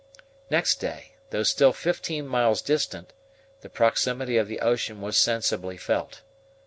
Next day, though still fifteen miles distant, the proximity of the ocean was sensibly felt.